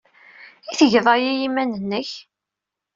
I tgeḍ aya i yiman-nnek?